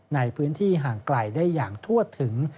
ในพื้นที่ห่างไกลได้อย่างทั่วถึง